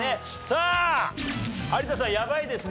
さあ有田さんやばいですね。